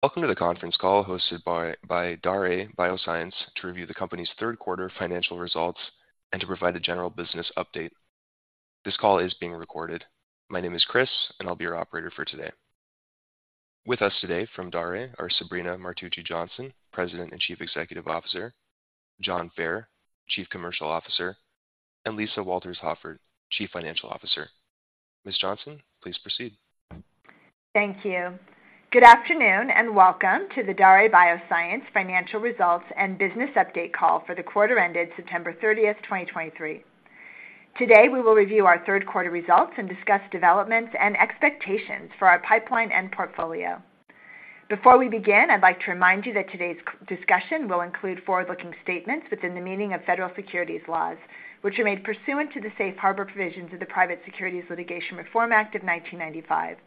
Welcome to the conference call hosted by Daré Bioscience to review the company's third quarter financial results and to provide a general business update. This call is being recorded. My name is Chris, and I'll be your operator for today. With us today from Daré are Sabrina Martucci Johnson, President and Chief Executive Officer; John Fair, Chief Commercial Officer; and Lisa Walters-Hoffert, Chief Financial Officer. Ms. Johnson, please proceed. Thank you. Good afternoon, and welcome to the Daré Bioscience Financial Results and Business Update Call for the quarter ended September 30th, 2023. Today, we will review our third quarter results and discuss developments and expectations for our pipeline and portfolio. Before we begin, I'd like to remind you that today's discussion will include forward-looking statements within the meaning of federal securities laws, which are made pursuant to the Safe Harbor provisions of the Private Securities Litigation Reform Act of 1995.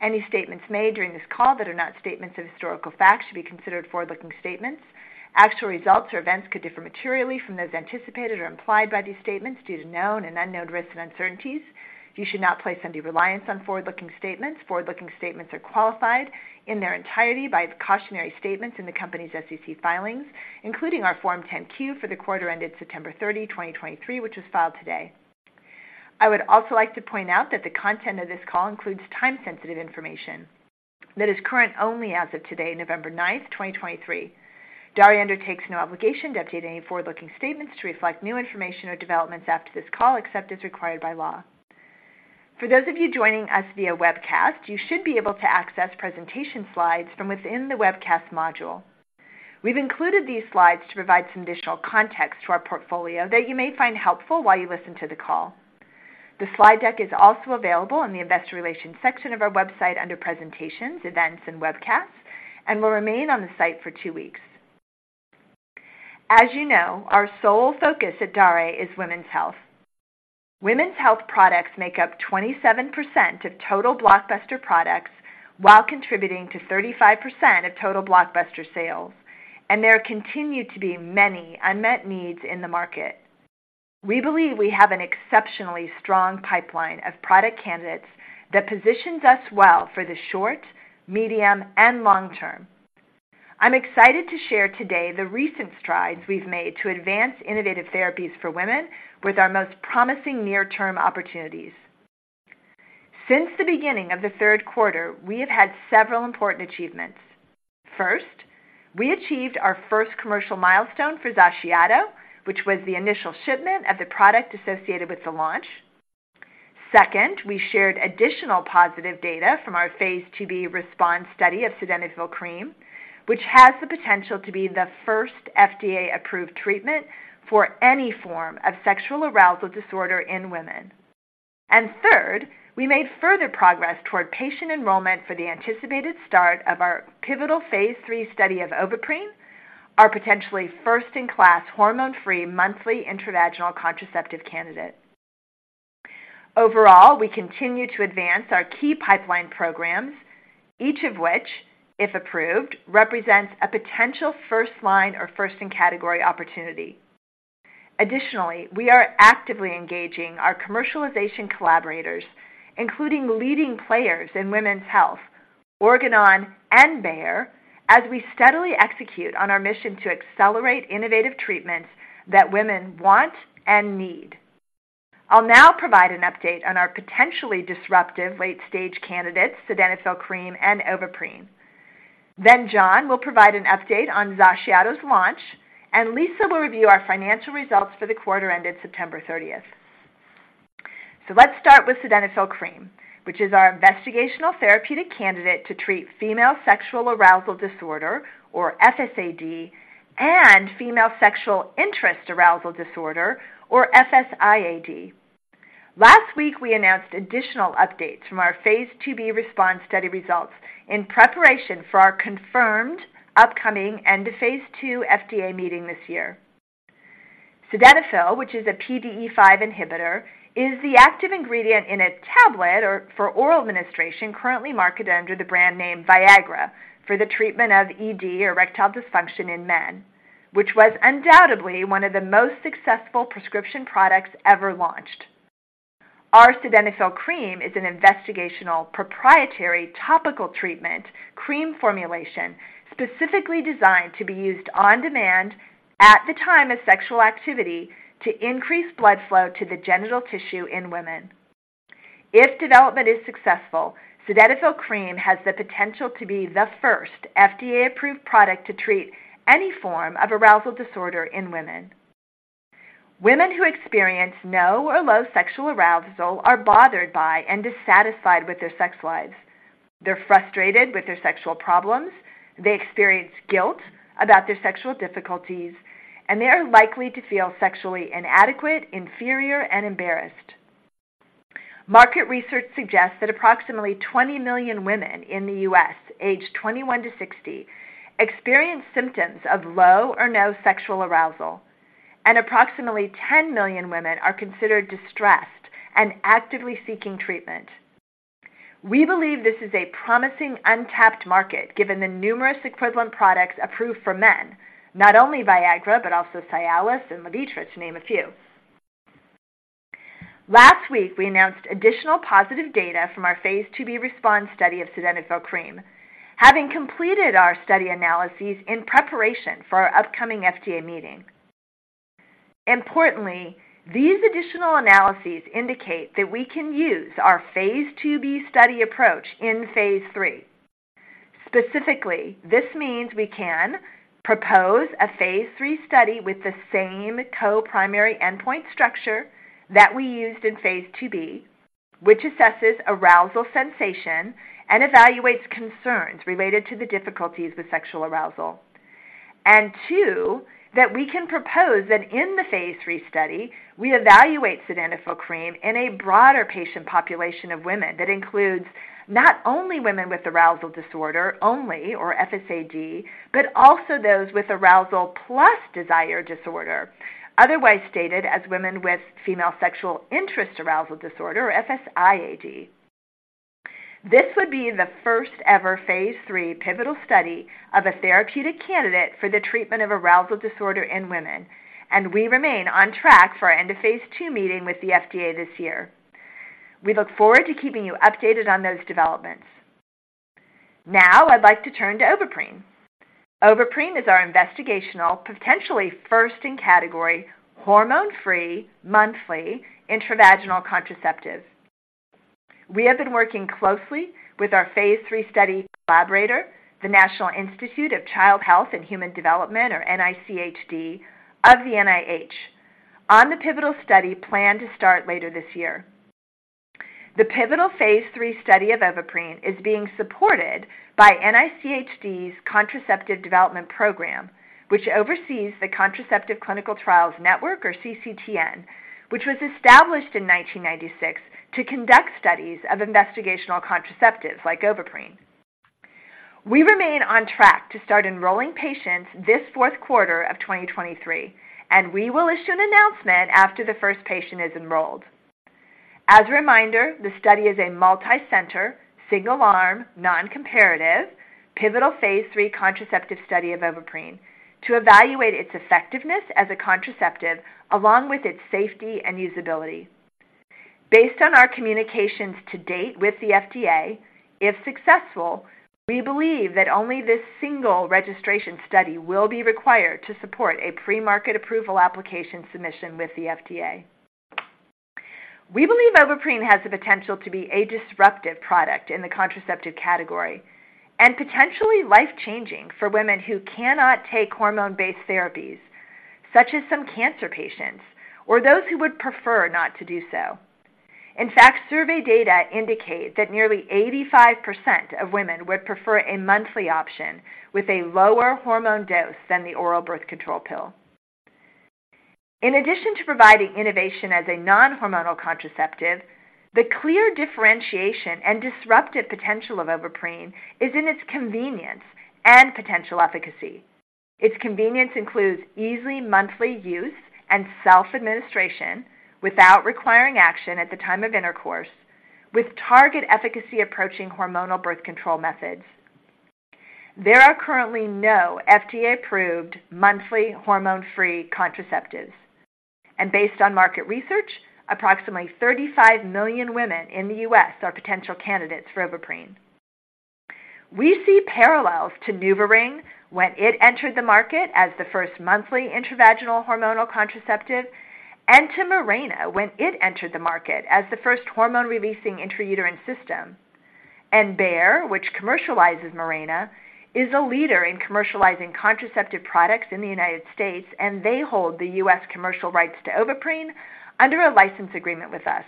Any statements made during this call that are not statements of historical fact should be considered forward-looking statements. Actual results or events could differ materially from those anticipated or implied by these statements due to known and unknown risks and uncertainties. You should not place any reliance on forward-looking statements. Forward-looking statements are qualified in their entirety by the cautionary statements in the company's SEC filings, including our Form 10-Q for the quarter ended September 30, 2023, which was filed today. I would also like to point out that the content of this call includes time-sensitive information that is current only as of today, November 9th, 2023. Daré undertakes no obligation to update any forward-looking statements to reflect new information or developments after this call, except as required by law. For those of you joining us via webcast, you should be able to access presentation slides from within the webcast module. We've included these slides to provide some additional context to our portfolio that you may find helpful while you listen to the call. The slide deck is also available in the Investor Relations section of our website under Presentations, Events, and Webcasts, and will remain on the site for two weeks. As you know, our sole focus at Daré is women's health. Women's health products make up 27% of total blockbuster products while contributing to 35% of total blockbuster sales, and there continue to be many unmet needs in the market. We believe we have an exceptionally strong pipeline of product candidates that positions us well for the short, medium, and long term. I'm excited to share today the recent strides we've made to advance innovative therapies for women with our most promising near-term opportunities. Since the beginning of the third quarter, we have had several important achievements. First, we achieved our first commercial milestone for XACIATO, which was the initial shipment of the product associated with the launch. Second, we shared additional positive data from our phase II-B RESPOND study of Sildenafil Cream, which has the potential to be the first FDA-approved treatment for any form of sexual arousal disorder in women. And third, we made further progress toward patient enrollment for the anticipated start of our pivotal phase III study of Ovaprene, our potentially first-in-class, hormone-free, monthly intravaginal contraceptive candidate. Overall, we continue to advance our key pipeline programs, each of which, if approved, represents a potential first-line or first-in-category opportunity. Additionally, we are actively engaging our commercialization collaborators, including leading players in women's health, Organon and Bayer, as we steadily execute on our mission to accelerate innovative treatments that women want and need. I'll now provide an update on our potentially disruptive late-stage candidates, Sildenafil Cream and Ovaprene. Then John will provide an update on XACIATO's launch, and Lisa will review our financial results for the quarter ended September 30th. So let's start with Sildenafil Cream, which is our investigational therapeutic candidate to treat female sexual arousal disorder, or FSAD, and female sexual interest arousal disorder, or FSIAD. Last week, we announced additional updates from our phase II-B RESPOND study results in preparation for our confirmed upcoming end-of-phase II FDA meeting this year. Sildenafil, which is a PDE5 inhibitor, is the active ingredient in a tablet or for oral administration, currently marketed under the brand name Viagra for the treatment of ED or erectile dysfunction in men, which was undoubtedly one of the most successful prescription products ever launched. Our Sildenafil Cream is an investigational, proprietary, topical treatment cream formulation specifically designed to be used on demand at the time of sexual activity to increase blood flow to the genital tissue in women. If development is successful, Sildenafil Cream has the potential to be the first FDA-approved product to treat any form of arousal disorder in women. Women who experience no or low sexual arousal are bothered by and dissatisfied with their sex lives. They're frustrated with their sexual problems, they experience guilt about their sexual difficulties, and they are likely to feel sexually inadequate, inferior, and embarrassed. Market research suggests that approximately 20 million women in the U.S., aged 21-60, experience symptoms of low or no sexual arousal, and approximately 10 million women are considered distressed and actively seeking treatment. We believe this is a promising, untapped market, given the numerous equivalent products approved for men, not only Viagra, but also Cialis and Levitra, to name a few. Last week, we announced additional positive data from our phase II-B RESPOND Study of Sildenafil Cream, having completed our study analyses in preparation for our upcoming FDA meeting. Importantly, these additional analyses indicate that we can use our phase II-B study approach in phase III. Specifically, this means we can propose a phase III study with the same co-primary endpoint structure that we used in phase II-B, which assesses arousal sensation and evaluates concerns related to the difficulties with sexual arousal. And two, that we can propose that in the phase III study, we evaluate Sildenafil Cream in a broader patient population of women that includes not only women with arousal disorder only, or FSAD, but also those with arousal plus desire disorder, otherwise stated as women with female sexual interest arousal disorder, or FSIAD. This would be the first-ever phase III pivotal study of a therapeutic candidate for the treatment of arousal disorder in women, and we remain on track for our end of phase II meeting with the FDA this year. We look forward to keeping you updated on those developments. Now, I'd like to turn to Ovaprene. Ovaprene is our investigational, potentially first-in-category, hormone-free, monthly intravaginal contraceptive. We have been working closely with our phase III study collaborator, the National Institute of Child Health and Human Development, or NICHD, of the NIH, on the pivotal study planned to start later this year. The pivotal phase III study of Ovaprene is being supported by NICHD's Contraceptive Development Program, which oversees the Contraceptive Clinical Trials Network, or CCTN, which was established in 1996 to conduct studies of investigational contraceptives like Ovaprene. We remain on track to start enrolling patients this fourth quarter of 2023, and we will issue an announcement after the first patient is enrolled. As a reminder, the study is a multicenter, single-arm, non-comparative, pivotal phase III contraceptive study of Ovaprene to evaluate its effectiveness as a contraceptive, along with its safety and usability. Based on our communications to date with the FDA, if successful, we believe that only this single registration study will be required to support a pre-market approval application submission with the FDA. We believe Ovaprene has the potential to be a disruptive product in the contraceptive category and potentially life-changing for women who cannot take hormone-based therapies, such as some cancer patients or those who would prefer not to do so. In fact, survey data indicate that nearly 85% of women would prefer a monthly option with a lower hormone dose than the oral birth control pill. In addition to providing innovation as a non-hormonal contraceptive, the clear differentiation and disruptive potential of Ovaprene is in its convenience and potential efficacy. Its convenience includes easy monthly use and self-administration without requiring action at the time of intercourse, with target efficacy approaching hormonal birth control methods. There are currently no FDA-approved monthly hormone-free contraceptives, and based on market research, approximately 35 million women in the U.S. are potential candidates for Ovaprene. We see parallels to NuvaRing when it entered the market as the first monthly intravaginal hormonal contraceptive, and to Mirena when it entered the market as the first hormone-releasing intrauterine system. Bayer, which commercializes Mirena, is a leader in commercializing contraceptive products in the United States, and they hold the U.S. commercial rights to Ovaprene under a license agreement with us.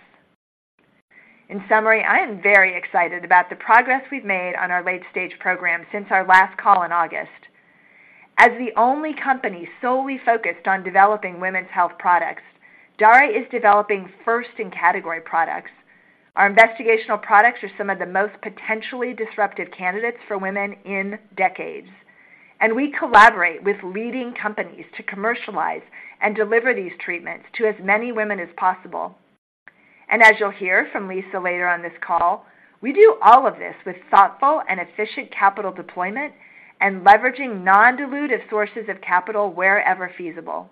In summary, I am very excited about the progress we've made on our late-stage program since our last call in August. As the only company solely focused on developing women's health products, Daré is developing first-in-category products. Our investigational products are some of the most potentially disruptive candidates for women in decades, and we collaborate with leading companies to commercialize and deliver these treatments to as many women as possible. As you'll hear from Lisa later on this call, we do all of this with thoughtful and efficient capital deployment and leveraging non-dilutive sources of capital wherever feasible.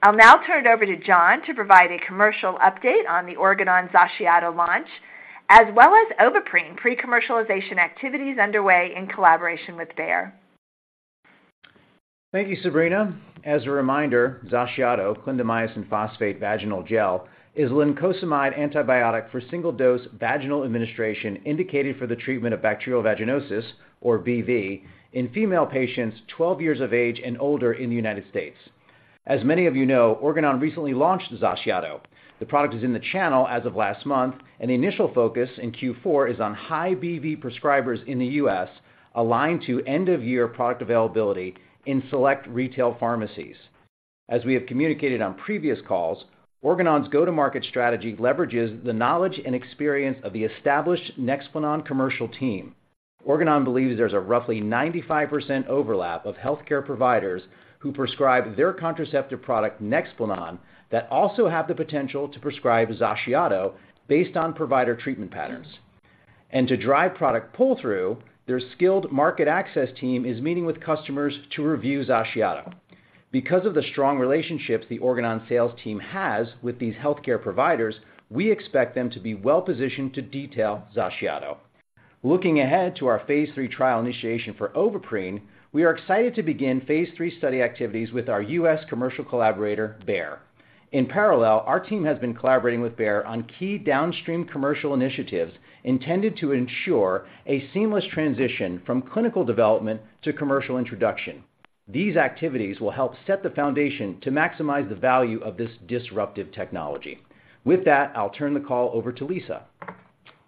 I'll now turn it over to John to provide a commercial update on the Organon XACIATO launch, as well as Ovaprene pre-commercialization activities underway in collaboration with Bayer. Thank you, Sabrina. As a reminder, XACIATO, clindamycin phosphate vaginal gel, is a lincosamide antibiotic for single-dose vaginal administration indicated for the treatment of bacterial vaginosis, or BV, in female patients 12 years of age and older in the United States. As many of you know, Organon recently launched XACIATO. The product is in the channel as of last month, and the initial focus in Q4 is on high BV prescribers in the U.S., aligned to end-of-year product availability in select retail pharmacies. As we have communicated on previous calls, Organon's go-to-market strategy leverages the knowledge and experience of the established NEXPLANON commercial team. Organon believes there's a roughly 95% overlap of healthcare providers who prescribe their contraceptive product, NEXPLANON, that also have the potential to prescribe XACIATO based on provider treatment patterns. To drive product pull-through, their skilled market access team is meeting with customers to review XACIATO. Because of the strong relationships the Organon sales team has with these healthcare providers, we expect them to be well-positioned to detail XACIATO. Looking ahead to our phase III trial initiation for Ovaprene, we are excited to begin phase III study activities with our U.S. commercial collaborator, Bayer. In parallel, our team has been collaborating with Bayer on key downstream commercial initiatives intended to ensure a seamless transition from clinical development to commercial introduction. These activities will help set the foundation to maximize the value of this disruptive technology. With that, I'll turn the call over to Lisa.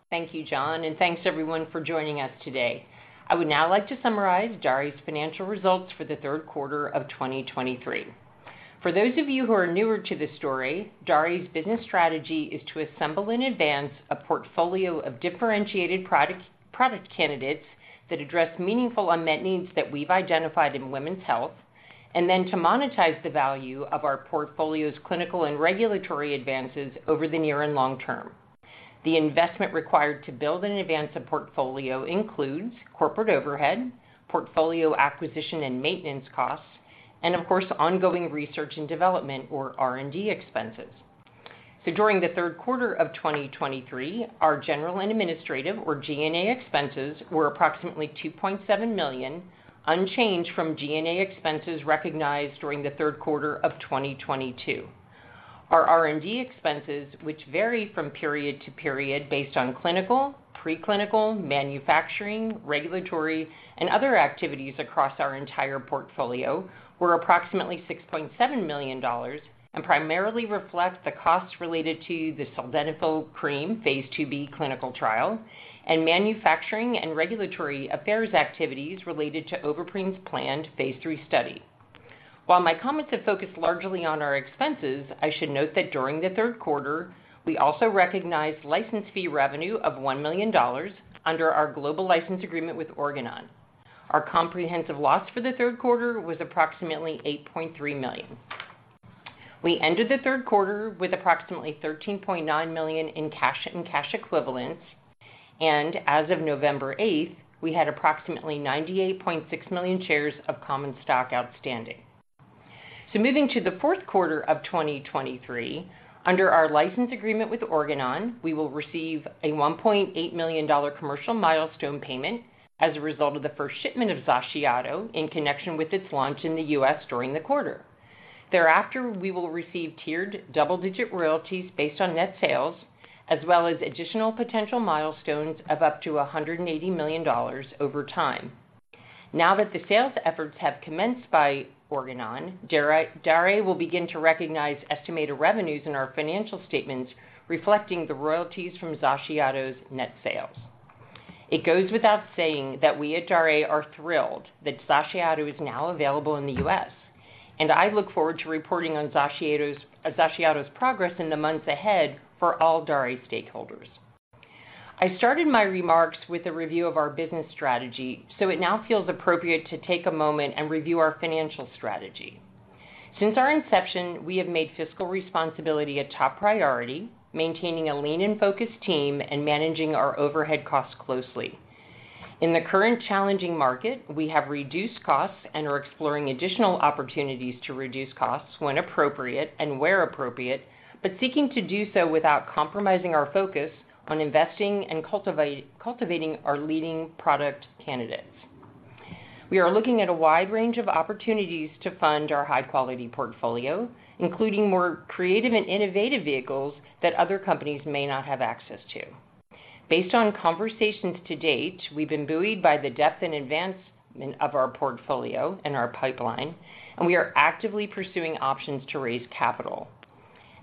Thank you, John, and thanks, everyone, for joining us today. I would now like to summarize Daré's financial results for the third quarter of 2023. For those of you who are newer to the story, Daré's business strategy is to assemble and advance a portfolio of differentiated product, product candidates that address meaningful unmet needs that we've identified in women's health, and then to monetize the value of our portfolio's clinical and regulatory advances over the near and long term. The investment required to build and advance a portfolio includes corporate overhead, portfolio acquisition and maintenance costs, and of course, ongoing research and development, or R&D expenses. During the third quarter of 2023, our general and administrative, or G&A, expenses were approximately $2.7 million, unchanged from G&A expenses recognized during the third quarter of 2022. Our R&D expenses, which vary from period-to-period based on clinical, preclinical, manufacturing, regulatory, and other activities across our entire portfolio, were approximately $6.7 million and primarily reflect the costs related to the Sildenafil Cream phase II-B clinical trial and manufacturing and regulatory affairs activities related to Ovaprene's planned phase III study. While my comments have focused largely on our expenses, I should note that during the third quarter, we also recognized license fee revenue of $1 million under our global license agreement with Organon. Our comprehensive loss for the third quarter was approximately $8.3 million. We ended the third quarter with approximately $13.9 million in cash and cash equivalents, and as of November eighth, we had approximately 98.6 million shares of common stock outstanding. So moving to the fourth quarter of 2023, under our license agreement with Organon, we will receive a $1.8 million commercial milestone payment as a result of the first shipment of XACIATO in connection with its launch in the U.S. during the quarter. Thereafter, we will receive tiered double-digit royalties based on net sales, as well as additional potential milestones of up to $180 million over time. Now that the sales efforts have commenced by Organon, Daré will begin to recognize estimated revenues in our financial statements, reflecting the royalties from XACIATO's net sales. It goes without saying that we at Daré are thrilled that XACIATO is now available in the U.S., and I look forward to reporting on XACIATO's progress in the months ahead for all Daré stakeholders. I started my remarks with a review of our business strategy, so it now feels appropriate to take a moment and review our financial strategy. Since our inception, we have made fiscal responsibility a top priority, maintaining a lean and focused team and managing our overhead costs closely. In the current challenging market, we have reduced costs and are exploring additional opportunities to reduce costs when appropriate and where appropriate, but seeking to do so without compromising our focus on investing and cultivating our leading product candidates. We are looking at a wide range of opportunities to fund our high-quality portfolio, including more creative and innovative vehicles that other companies may not have access to. Based on conversations to date, we've been buoyed by the depth and advancement of our portfolio and our pipeline, and we are actively pursuing options to raise capital.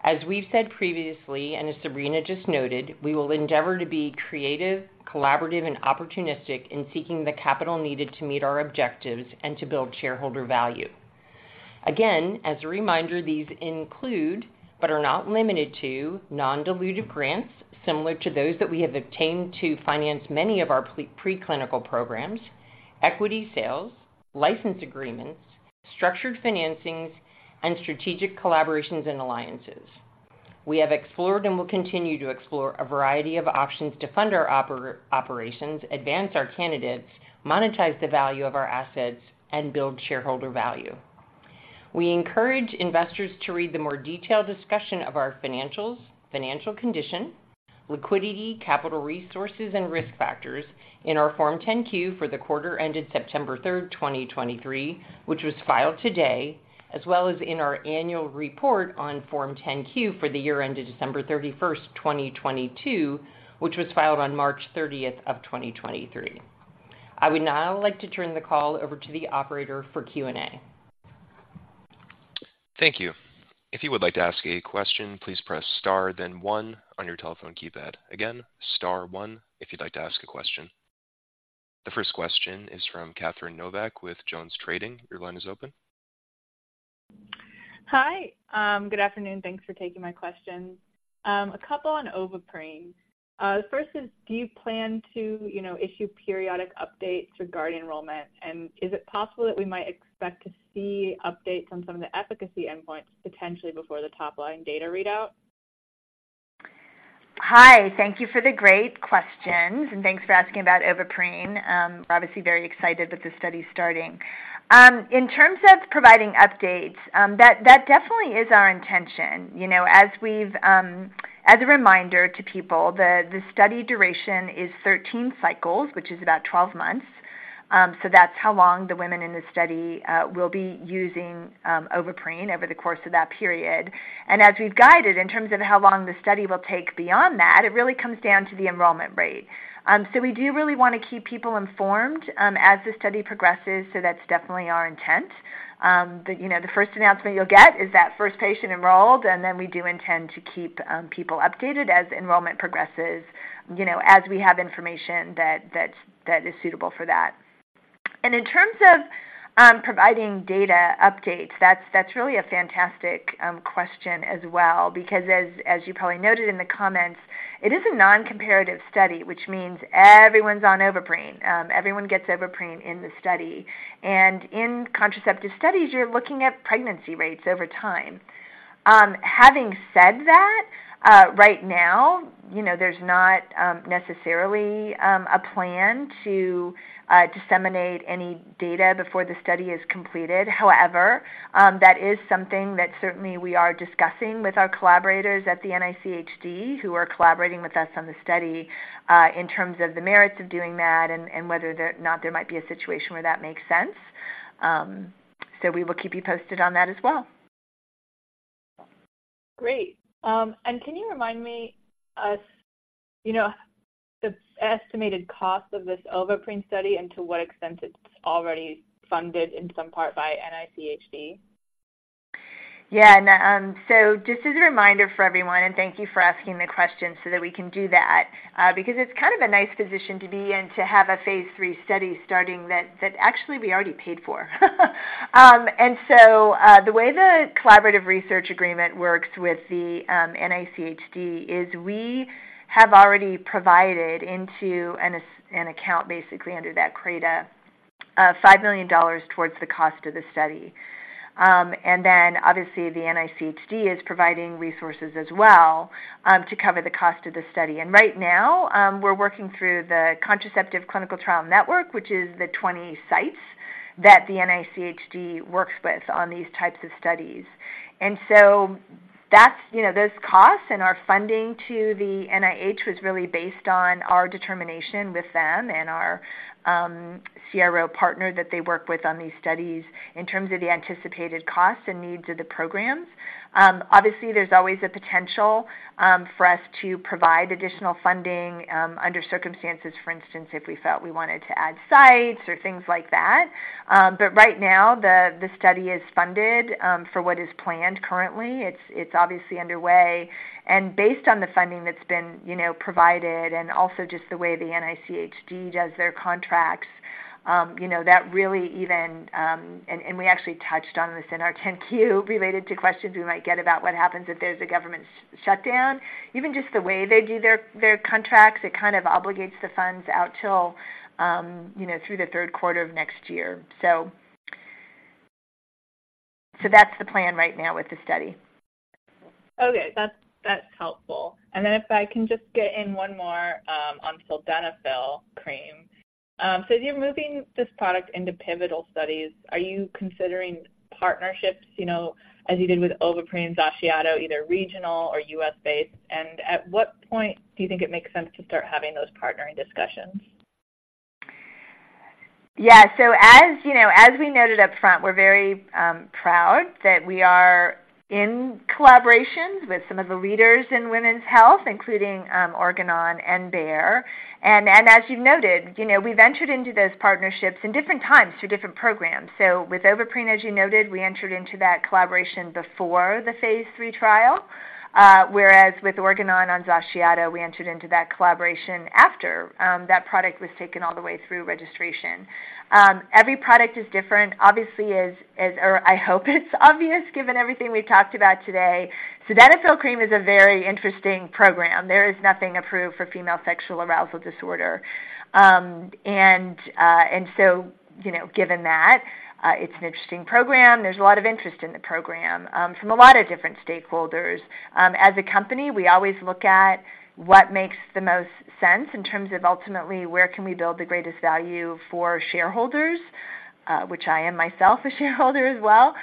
As we've said previously, and as Sabrina just noted, we will endeavor to be creative, collaborative, and opportunistic in seeking the capital needed to meet our objectives and to build shareholder value. Again, as a reminder, these include, but are not limited to, non-dilutive grants similar to those that we have obtained to finance many of our preclinical programs, equity sales, license agreements, structured financings, and strategic collaborations and alliances. We have explored and will continue to explore a variety of options to fund our operations, advance our candidates, monetize the value of our assets, and build shareholder value. We encourage investors to read the more detailed discussion of our financials, financial condition, liquidity, capital resources, and risk factors in our Form 10-Q for the quarter ended September 3rd, 2023, which was filed today, as well as in our annual report on Form 10-K for the year ended December 31st, 2022, which was filed on March 30th, 2023. I would now like to turn the call over to the operator for Q&A. Thank you. If you would like to ask a question, please press star then one on your telephone keypad. Again, star one if you'd like to ask a question. The first question is from Catherine Novack with JonesTrading. Your line is open. Hi, good afternoon. Thanks for taking my questions. A couple on Ovaprene. The first is: do you plan to, you know, issue periodic updates regarding enrollment? And is it possible that we might expect to see updates on some of the efficacy endpoints potentially before the top-line data readout? Hi, thank you for the great questions, and thanks for asking about Ovaprene. We're obviously very excited with the study starting. In terms of providing updates, that definitely is our intention. You know, as a reminder to people, the study duration is 13 cycles, which is about 12 months. So that's how long the women in this study will be using Ovaprene over the course of that period. As we've guided in terms of how long the study will take beyond that, it really comes down to the enrollment rate. So we do really want to keep people informed as the study progresses, so that's definitely our intent. But, you know, the first announcement you'll get is that first patient enrolled, and then we do intend to keep people updated as enrollment progresses, you know, as we have information that is suitable for that. And in terms of providing data updates, that's really a fantastic question as well, because as you probably noted in the comments, it is a non-comparative study, which means everyone's on Ovaprene. Everyone gets Ovaprene in the study, and in contraceptive studies, you're looking at pregnancy rates over time. Having said that, right now, you know, there's not necessarily a plan to disseminate any data before the study is completed. However, that is something that certainly we are discussing with our collaborators at the NICHD, who are collaborating with us on the study, in terms of the merits of doing that and, and whether or not there might be a situation where that makes sense. So we will keep you posted on that as well. Great. And can you remind me, us, you know, the estimated cost of this Ovaprene study and to what extent it's already funded, in some part, by NICHD? Yeah. So just as a reminder for everyone, and thank you for asking the question so that we can do that, because it's kind of a nice position to be in, to have a phase III study starting that actually we already paid for. So, the way the collaborative research agreement works with the NICHD is we have already provided into an account, basically under that CRADA, $5 million towards the cost of the study. And then, obviously, the NICHD is providing resources as well, to cover the cost of the study. And right now, we're working through the Contraceptive Clinical Trial Network, which is the 20 sites that the NICHD works with on these types of studies. And so that's, you know, those costs and our funding to the NIH was really based on our determination with them and our CRO partner that they work with on these studies in terms of the anticipated costs and needs of the programs. Obviously, there's always a potential for us to provide additional funding under circumstances, for instance, if we felt we wanted to add sites or things like that. But right now, the study is funded for what is planned currently. It's obviously underway, and based on the funding that's been, you know, provided and also just the way the NICHD does their contracts, you know, that really even. And we actually touched on this in our 10-Q related to questions we might get about what happens if there's a government shutdown. Even just the way they do their contracts, it kind of obligates the funds out till, you know, through the third quarter of next year. So that's the plan right now with the study. Okay, that's, that's helpful. And then if I can just get in one more, on Sildenafil Cream. So as you're moving this product into pivotal studies, are you considering partnerships, you know, as you did with Ovaprene, XACIATO, either regional or U.S.-based? And at what point do you think it makes sense to start having those partnering discussions? Yeah. So as you know, as we noted up front, we're very proud that we are in collaborations with some of the leaders in women's health, including Organon and Bayer. And as you've noted, you know, we've entered into those partnerships in different times through different programs. So with Ovaprene, as you noted, we entered into that collaboration before the phase III trial, whereas with Organon on XACIATO, we entered into that collaboration after that product was taken all the way through registration. Every product is different, obviously, as is, or I hope it's obvious, given everything we've talked about today. Sildenafil Cream is a very interesting program. There is nothing approved for female sexual arousal disorder. And so, you know, given that, it's an interesting program. There's a lot of interest in the program from a lot of different stakeholders. As a company, we always look at what makes the most sense in terms of ultimately where we can build the greatest value for shareholders, which I am myself a shareholder as well.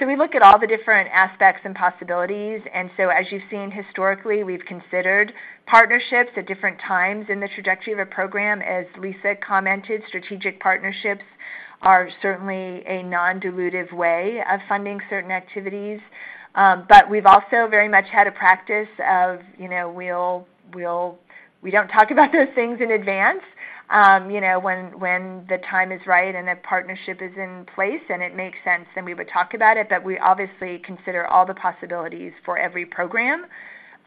So we look at all the different aspects and possibilities. And so as you've seen historically, we've considered partnerships at different times in the trajectory of a program. As Lisa commented, strategic partnerships are certainly a non-dilutive way of funding certain activities. But we've also very much had a practice of, you know, we don't talk about those things in advance. You know, when the time is right and a partnership is in place and it makes sense, then we would talk about it, but we obviously consider all the possibilities for every program,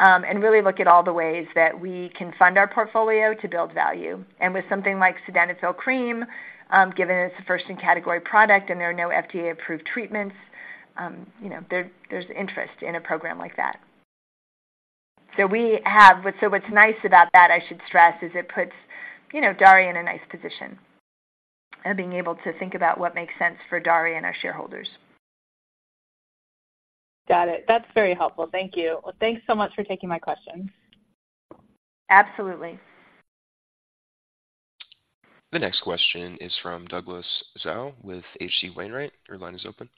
and really look at all the ways that we can fund our portfolio to build value. And with something like Sildenafil Cream, given it's a first in category product and there are no FDA-approved treatments, you know, there's interest in a program like that. So what's nice about that, I should stress, is it puts, you know, Daré in a nice position of being able to think about what makes sense for Daré and our shareholders. Got it. That's very helpful. Thank you. Well, thanks so much for taking my question. Absolutely. The next question is from Douglas Tsao with H.C. Wainwright. Your line is open.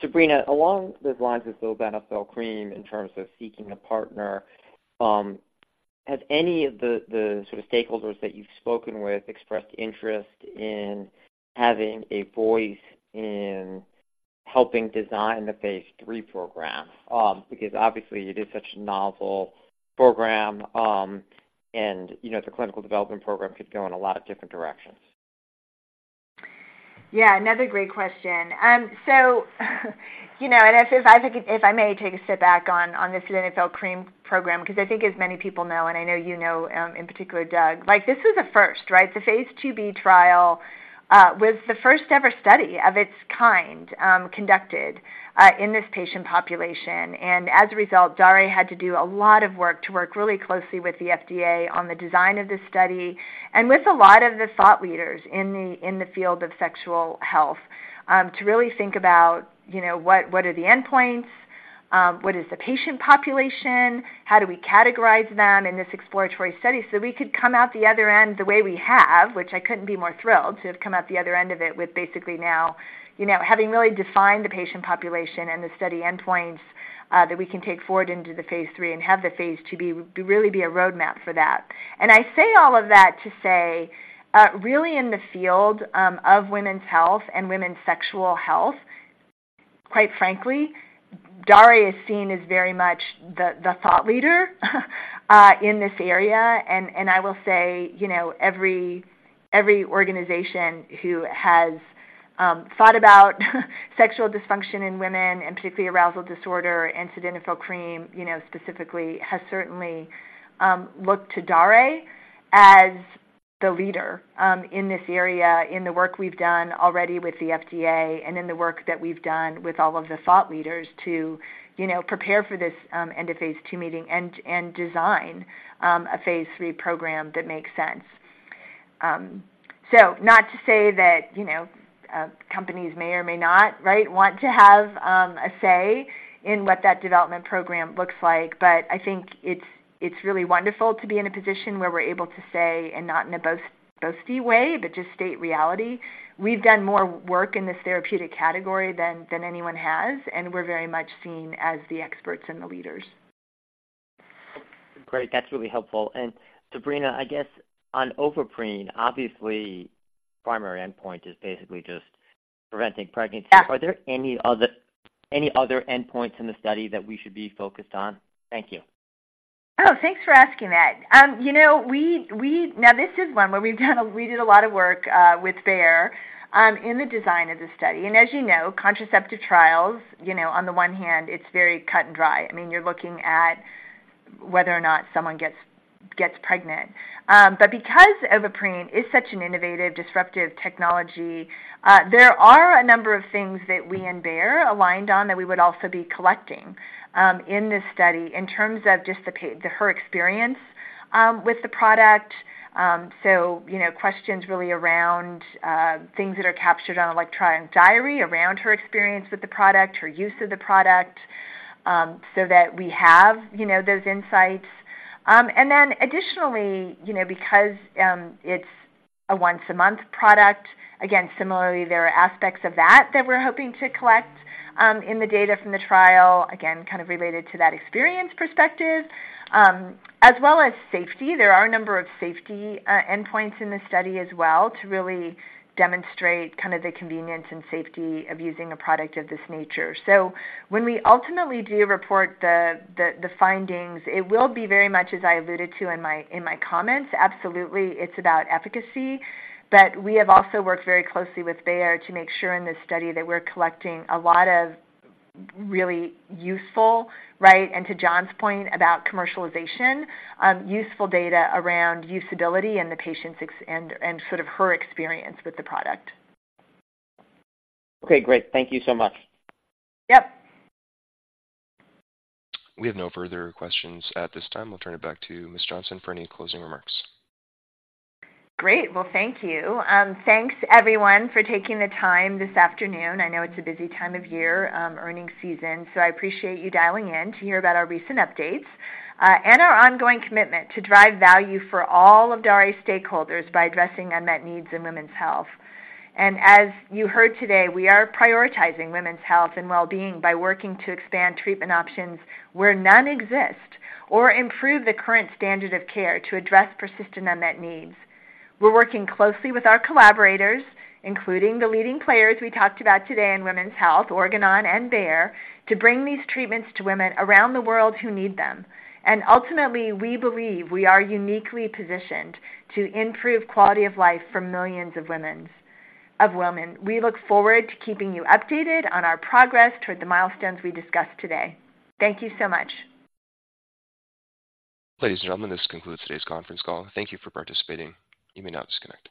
Sabrina, along those lines of Sildenafil Cream, in terms of seeking a partner, has any of the, the sort of stakeholders that you've spoken with expressed interest in having a voice in helping design the phase III program? Because obviously it is such a novel program, and, you know, the clinical development program could go in a lot of different directions. Yeah, another great question. So, you know, if I may take a step back on the sildenafil cream program, because I think as many people know, and I know you know, in particular, Doug, like, this is a first, right? The phase IIb trial was the first-ever study of its kind conducted in this patient population. As a result, Daré had to do a lot of work to work really closely with the FDA on the design of this study and with a lot of the thought leaders in the field of sexual health, to really think about, you know, what are the endpoints, what is the patient population, how do we categorize them in this exploratory study so we could come out the other end the way we have, which I couldn't be more thrilled to have come out the other end of it with basically now, you know, having really defined the patient population and the study endpoints, that we can take forward into the phase III and have the phase to be really be a roadmap for that. And I say all of that to say, really in the field of women's health and women's sexual health, quite frankly, Daré is seen as very much the, the thought leader in this area. And I will say, you know, every, every organization who has thought about sexual dysfunction in women, and particularly arousal disorder and sildenafil cream, you know, specifically, has certainly looked to Daré as the leader in this area, in the work we've done already with the FDA and in the work that we've done with all of the thought leaders to, you know, prepare for this end of phase II meeting and design a phase III program that makes sense. So not to say that, you know, companies may or may not, right, want to have a say in what that development program looks like, but I think it's really wonderful to be in a position where we're able to say, and not in a boast, boasty way, but just state reality. We've done more work in this therapeutic category than anyone has, and we're very much seen as the experts and the leaders. Great. That's really helpful. And Sabrina, I guess on Ovaprene, obviously, primary endpoint is basically just preventing pregnancy. Yeah. Are there any other endpoints in the study that we should be focused on? Thank you. Oh, thanks for asking that. You know, we. Now, this is one where we did a lot of work with Bayer in the design of the study. As you know, contraceptive trials, you know, on the one hand, it's very cut and dry. I mean, you're looking at whether or not someone gets pregnant. But because Ovaprene is such an innovative, disruptive technology, there are a number of things that we and Bayer aligned on that we would also be collecting in this study in terms of just her experience with the product. So, you know, questions really around things that are captured on electronic diary, around her experience with the product, her use of the product, so that we have, you know, those insights. And then additionally, you know, because it's a once-a-month product, again, similarly, there are aspects of that that we're hoping to collect in the data from the trial, again, kind of related to that experience perspective, as well as safety. There are a number of safety endpoints in this study as well to really demonstrate kind of the convenience and safety of using a product of this nature. So when we ultimately do report the findings, it will be very much as I alluded to in my comments, absolutely, it's about efficacy. But we have also worked very closely with Bayer to make sure in this study that we're collecting a lot of really useful, right, and to John's point about commercialization, useful data around usability and the patient's experience and sort of her experience with the product. Okay, great. Thank you so much. Yep. We have no further questions at this time. I'll turn it back to Ms. Johnson for any closing remarks. Great. Well, thank you. Thanks, everyone, for taking the time this afternoon. I know it's a busy time of year, earnings season, so I appreciate you dialing in to hear about our recent updates, and our ongoing commitment to drive value for all of Daré's stakeholders by addressing unmet needs in women's health. And as you heard today, we are prioritizing women's health and well-being by working to expand treatment options where none exist or improve the current standard of care to address persistent unmet needs. We're working closely with our collaborators, including the leading players we talked about today in women's health, Organon and Bayer, to bring these treatments to women around the world who need them. And ultimately, we believe we are uniquely positioned to improve quality of life for millions of women. We look forward to keeping you updated on our progress toward the milestones we discussed today. Thank you so much. Ladies and gentlemen, this concludes today's conference call. Thank you for participating. You may now disconnect.